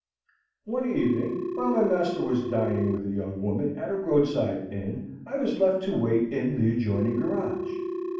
One evening while my master was dining with a young woman at a roadside inn I was left to wait in the adjoining garage.